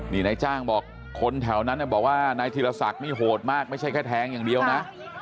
นี่นายจ้างบอกคนแถวนั้นบอกว่านายธีรศักดิ์นี่โหดมากไม่ใช่แค่แทงอย่างเดียวนะ